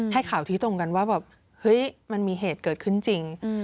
ให้ข่าวที่ตรงกันว่าแบบเฮ้ยมันมีเหตุเกิดขึ้นจริง